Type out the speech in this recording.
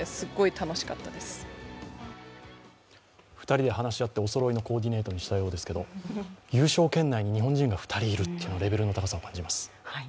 ２人で話し合っておそろいのコーディネートにしたようですけど、優勝圏内に日本人が２人いるって、レベルの高さを感じます。